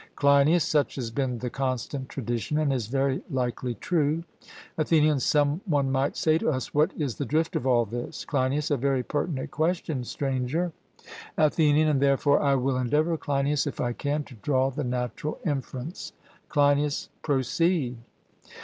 CLEINIAS: Such has been the constant tradition, and is very likely true. ATHENIAN: Some one might say to us, What is the drift of all this? CLEINIAS: A very pertinent question, Stranger. ATHENIAN: And therefore I will endeavour, Cleinias, if I can, to draw the natural inference. CLEINIAS: Proceed.